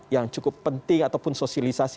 yang cukup penting ataupun sosialisasi